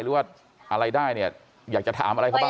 หรือว่าอะไรได้เนี่ยอยากจะถามอะไรเขาบ้าง